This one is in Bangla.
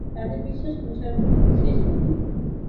তাঁদের বিশ্বাস অনুসারে মুহাম্মদ শেষ নবী।